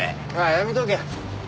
やめとけ。